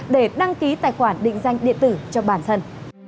để đăng ký tài khoản định danh điện tử cho bản thân